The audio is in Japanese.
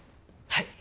はい。